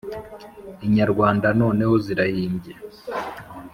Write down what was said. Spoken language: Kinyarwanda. Inyarwanda nnoneho zirahimbye